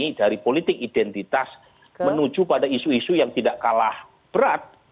ini dari politik identitas menuju pada isu isu yang tidak kalah berat